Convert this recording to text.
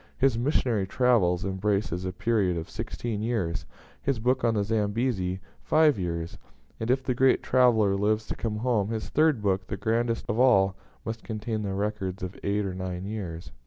His 'Missionary Travels' embraces a period of sixteen years; his book on the Zambezi, five years; and if the great traveller lives to come home, his third book, the grandest of all, must contain the records of eight or nine years.